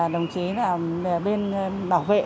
đồng chí bên bảo vệ